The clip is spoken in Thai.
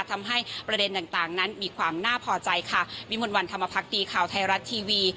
ทำให้ประเด็นต่างนั้นมีความน่าพอใจค่ะวิมวลวันธรรมพักดีข่าวไทยรัฐทีวี